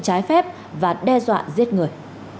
trái phép và đe dọa giết người